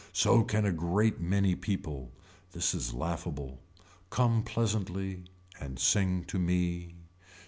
So can a great many people. This is laughable. Come pleasantly. And sing to me.